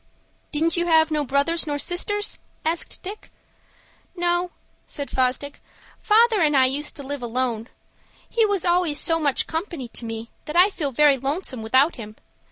"Didn't you have no brothers nor sisters?" asked Dick. "No," said Fosdick; "father and I used to live alone. He was always so much company to me that I feel very lonesome without him.